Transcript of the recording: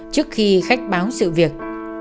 trước khi khách báo sự việc